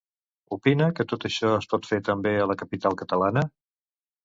Opina que tot això es pot fer també a la capital catalana?